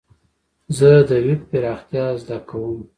زه د ويب پراختيا زده کوم.